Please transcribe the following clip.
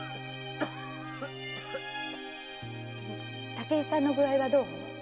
〔武井さんの具合はどう？〕